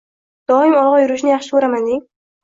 “Doim olg’a yurishni yaxshi ko’raman deng?”